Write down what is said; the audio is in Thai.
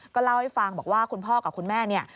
เล่าให้ฟังบอกว่าคุณพ่อกับคุณแม่เนี่ย